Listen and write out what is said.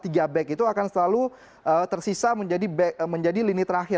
jadi karena kenapa tiga back itu akan selalu tersisa menjadi lini terakhir